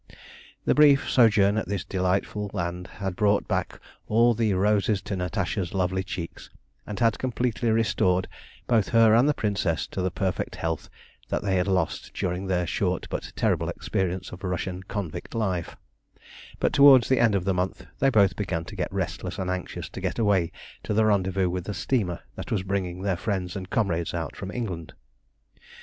The brief sojourn in this delightful land had brought back all the roses to Natasha's lovely cheeks, and had completely restored both her and the Princess to the perfect health that they had lost during their short but terrible experience of Russian convict life; but towards the end of the month they both began to get restless and anxious to get away to the rendezvous with the steamer that was bringing their friends and comrades out from England.